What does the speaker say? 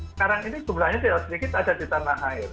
sekarang ini jumlahnya tidak sedikit ada di tanah air